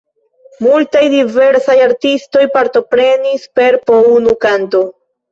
Multaj diversaj artistoj partoprenis per po unu kanto.